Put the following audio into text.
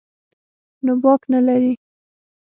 نو باک نه لري.